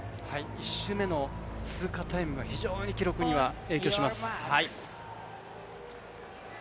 １周目の通過タイムが非常に記録には影響します。